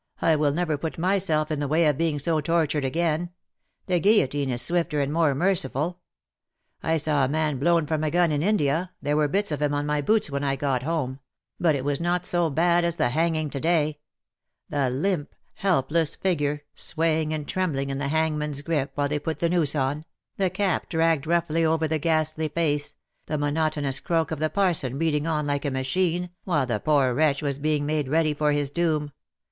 I will never put myself in the way of being so tortured again. The guillotine is swifter and more merciful. I saw a man blown from a gun in India — there were bits of him on my boots when I got home — but it was not so bad as the hanging to day : the limp, helpless, figure, swaying and trembling in the hangman's grip while they put the noose on, the cap dragged roughly over the ghastly face, the monotonous croak of the parson reading on like a machine, while the poor wretch was being made ready for his doom.